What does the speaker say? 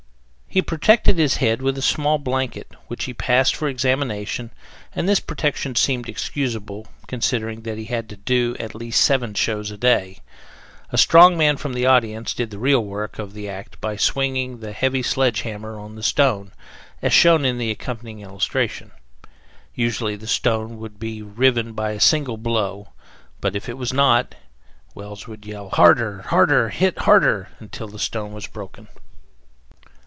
He protected his head with a small blanket, which he passed for examination, and this protection seemed excusable, considering that he had to do at least seven shows a day. A strong man from the audience did the real work of the act by swinging the heavy sledge hammer on the stone, as shown in the accompanying illustration. Usually the stone would be riven by a single blow; but if it was not, Wells would yell, "Harder! harder! hit harder!" until the stone was broken.